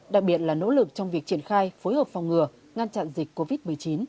đặc biệt là nỗ lực trong việc triển khai phối hợp phòng ngừa ngăn chặn dịch covid một mươi chín